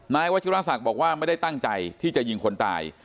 นายวัชิราศักดิ์บอกว่าไม่ได้ตั้งใจที่จะยิงคนตาย